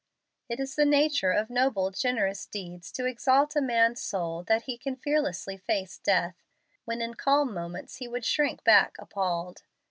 It is the nature of noble, generous deeds to exalt a man's soul so that he can fearlessly face death, when in calm moments he would shrink back appalled.